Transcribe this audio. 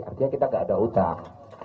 artinya kita tidak ada utang